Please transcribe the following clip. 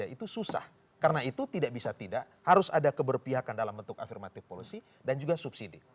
itu susah karena itu tidak bisa tidak harus ada keberpihakan dalam bentuk afirmatif policy dan juga subsidi